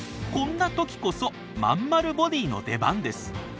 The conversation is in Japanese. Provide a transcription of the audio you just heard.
こんな時こそまんまるボディーの出番です。